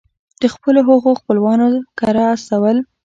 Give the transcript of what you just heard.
د خپلو هغو خپلوانو کره استول.